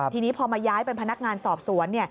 ทีนี้พอมาย้ายเป็นพนักงานสอบสวน